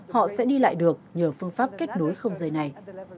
họ sẽ đi lại được nhờ phương pháp kết nối không dây này